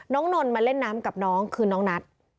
นนท์มาเล่นน้ำกับน้องคือน้องนัท